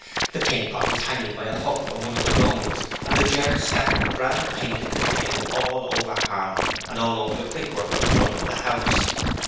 The paint pot was hanging by a hook from one of the rungs, and the jerk scattered the brown paint it contained all over Harlow and all over the brickwork of the front of the house.